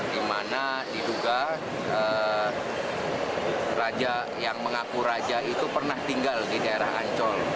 di mana diduga raja yang mengaku raja itu pernah tinggal di daerah ancol